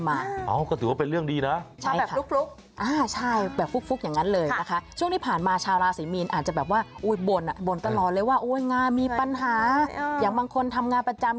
นี่คือเป็นปัญหาอย่างบางคนทำงานประจำ